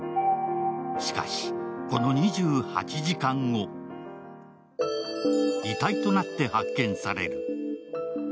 しかし、この２８時間後、遺体となって発見される。